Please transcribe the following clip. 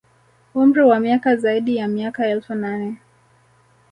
Umri wa miaka zaidi ya miaka elfu nane